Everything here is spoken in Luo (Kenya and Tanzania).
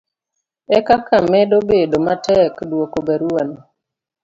ekaka medo bedo matek dwoko barua no